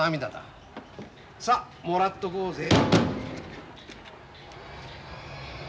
さあもらっとこうぜ。